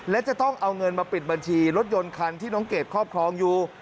และจะต้องเอาเงินมาปิดบัญชีรถยนต์คันที่น้องเกดครอบครองอยู่